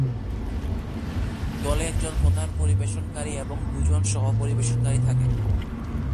দলে একজন প্রধান পরিবেশনকারী এবং দুজন সহ-পরিবেশনকারী থাকে।